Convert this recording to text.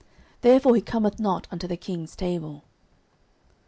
Therefore he cometh not unto the king's table.